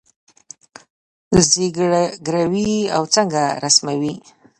زګیروي به څنګه رسموي